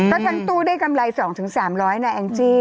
ก็ทั้งตู้ได้กำไร๒๓๐๐นะแองจี้